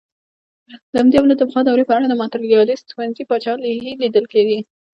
له همدې امله د پخوا دورې په اړه د ماتریالیسټ ښوونځي پاچاهي لیدل کېږي.